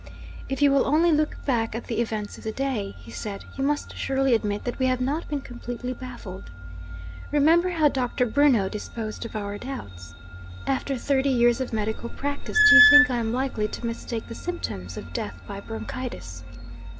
'If you will only look back at the events of the day,' he said, 'you must surely admit that we have not been completely baffled. Remember how Dr. Bruno disposed of our doubts: "After thirty years of medical practice, do you think I am likely to mistake the symptoms of death by bronchitis?"